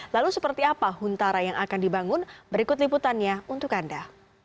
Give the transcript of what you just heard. lalu seperti apa huntara yang akan dibangun berikut liputannya untuk anda